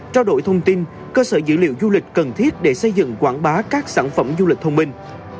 trao đổi thông tin cơ sở dữ liệu du lịch cần thiết để xây dựng quảng bá các sản phẩm du lịch thông minh